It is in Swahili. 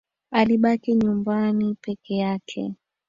Alibaki nyumbani peke yake